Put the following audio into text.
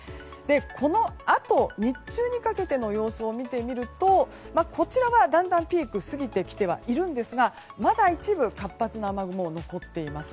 このあと、日中にかけての様子を見てみるとこちらはだんだんピークが過ぎてきてはいますがまだ一部活発な雨雲が残っています。